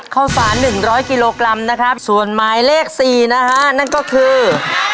ข้าวสาร๑๐๐กิโลกรัมนะครับส่วนหมายเลข๔นะฮะนั่นก็คือ